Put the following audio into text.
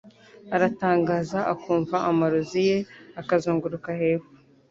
aratangaza akumva amarozi ye akazunguruka hepfo